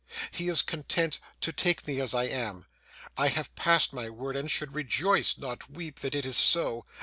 He is content to take me as I am. I have passed my word, and should rejoice, not weep, that it is so.